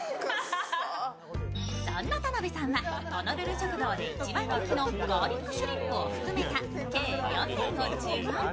そんなは田辺さんはホノルル食堂で、ガーリックシュリンプを含めた計４点を注文。